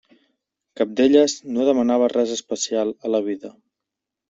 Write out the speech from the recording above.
Cap d'elles no demanava res especial a la vida.